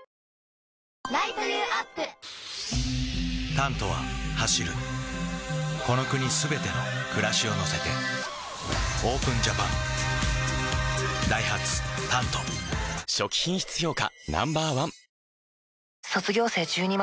「タント」は走るこの国すべての暮らしを乗せてＯＰＥＮＪＡＰＡＮダイハツ「タント」初期品質評価